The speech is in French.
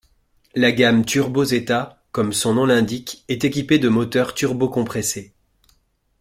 La gamme TurboZeta, comme son nom l'indique est équipée de moteurs turbocompressés.